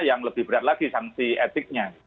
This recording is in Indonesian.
yang lebih berat lagi sanksi etiknya